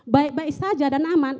baik baik saja dan aman